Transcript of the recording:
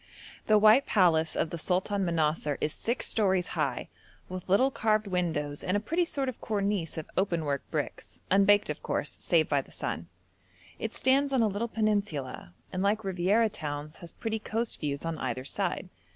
The white palace of the Sultan Manassar is six stories high, with little carved windows and a pretty sort of cornice of open work bricks, unbaked of course, save by the sun. It stands on a little peninsula, and like Riviera towns, has pretty coast views on either side.